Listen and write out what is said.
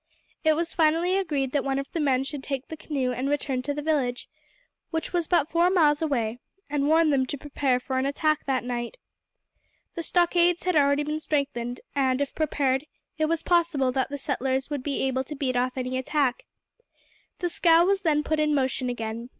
It was finally agreed that one of the men should take the canoe and return to the village, which was but four miles away, and warn them to prepare for an attack that night. The stockades had already been strengthened, and if prepared, it was probable that the settlers would be able to beat off any attack. The scow was then put in motion again.